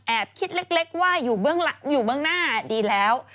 คิดเล็กว่าอยู่เบื้องหน้าดีแล้ว